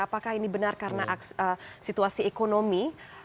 apakah ini benar karena situasi ekonomi